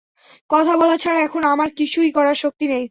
কথা বলা ছাড়া এখন আমার কিছুই করার শক্তি নেই।